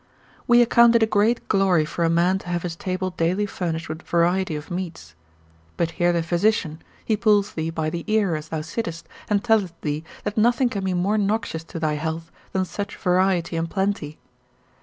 We account it a great glory for a man to have his table daily furnished with variety of meats: but hear the physician, he pulls thee by the ear as thou sittest, and telleth thee, that nothing can be more noxious to thy health than such variety and plenty.